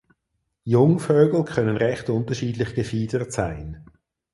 Jungvögel können recht unterschiedlich gefiedert sein.